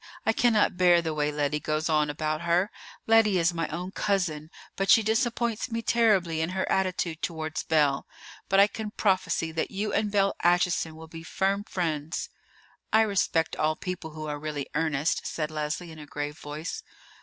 I cannot bear the way Lettie goes on about her. Lettie is my own cousin; but she disappoints me terribly in her attitude towards Belle. But I can prophesy that you and Belle Acheson will be firm friends." "I respect all people who are really earnest," said Leslie in a grave voice.